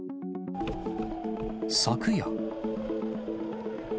昨夜。